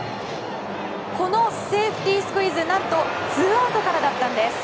このセーフティスクイズは何とツーアウトからだったんです。